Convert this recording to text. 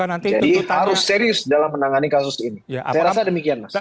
jadi harus serius dalam menangani kasus ini saya rasa demikian mas